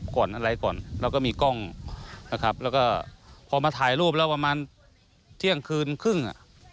ก่อนอะไรก่อนเราก็มีกล้องนะครับแล้วก็พอมาถ่ายรูปแล้วประมาณเที่ยงคืนครึ่งอ่ะ